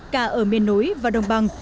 cả ở miền núi và đồng bằng